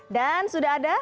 dan sudah ada